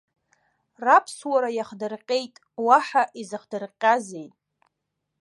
Раԥсуара иахдырҟьеит, уаҳа изыхдырҟьазеи!